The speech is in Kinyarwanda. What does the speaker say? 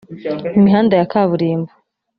Imihanda ya kaburimbo